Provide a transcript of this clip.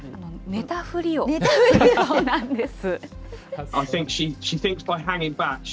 寝たふりをしてたんです。